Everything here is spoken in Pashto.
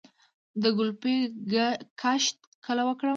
د ګلپي کښت کله وکړم؟